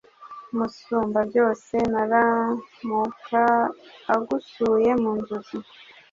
Umusumbabyose naramuka agusuye mu nzozi,